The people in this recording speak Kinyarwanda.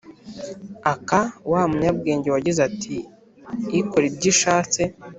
aka wa munyabwenge wagize ati : ikora ibyo ishatse